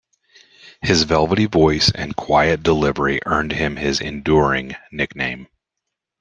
His velvety voice and quiet delivery earned him his enduring nickname.